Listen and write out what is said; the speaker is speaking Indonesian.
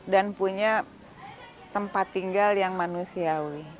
dan punya tempat tinggal yang manusia